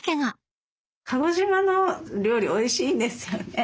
鹿児島の料理おいしいんですよね。